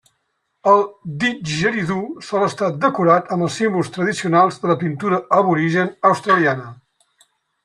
El didjeridú sol estar decorat amb els símbols tradicionals de la pintura aborigen australiana.